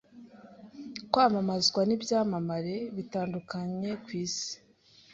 Kamamazwa n’ibyamamare bitandukanye kw’isi